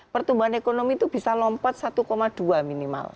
pertumbuhan ekonomi itu bisa lompat satu dua minimal